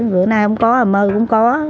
bữa nay không có mơ cũng có